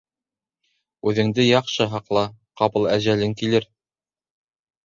Үҙеңде яҡшы һаҡла, ҡапыл әжәлең килер.